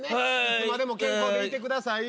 いつまでも健康でいてください。